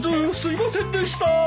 ・すいませんでした。